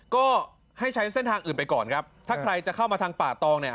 ก็ให้ใช้เส้นทางอื่นไปก่อนครับถ้าใครจะเข้ามาทางป่าตองเนี่ย